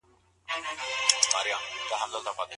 کرني پوهنځۍ په بیړه نه بشپړیږي.